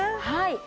はい。